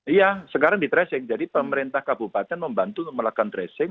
iya sekarang di tracing jadi pemerintah kabupaten membantu melakukan tracing